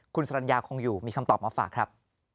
คุณสรรญาคงอยู่มีคำตอบมาฝากครับ